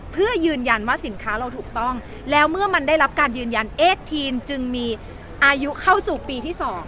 เพื่อยืนยันว่าสินค้าเราถูกต้องแล้วเมื่อมันได้รับการยืนยันเอสทีนจึงมีอายุเข้าสู่ปีที่๒